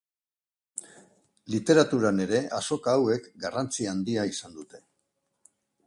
Literaturan ere azoka hauek garrantzi handia izan dute.